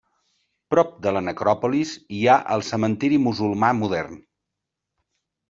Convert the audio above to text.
Prop de la necròpolis hi ha el cementiri musulmà modern.